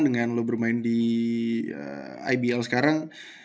dengan lo bermain di ibl sekarang